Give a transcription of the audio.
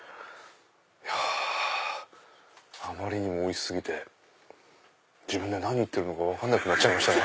いやあまりにもおいし過ぎて自分で何言ってるのか分かんなくなっちゃいましたね。